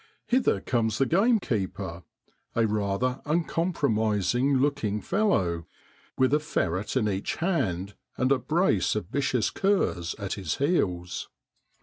Hither comes the gamekeeper a rather uncompromising looking fellow with a ferret in each hand, and a brace of vicious curs at his heels.